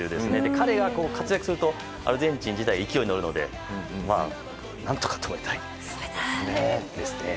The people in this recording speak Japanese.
彼が活躍するとアルゼンチン自体勢いに乗るので何とか止めたいですね。